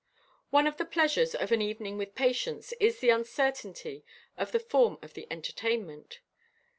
One of the pleasures of an evening with Patience is the uncertainty of the form of the entertainment.